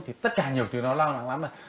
thì tất cả nhiều thứ nó lo lắng lắm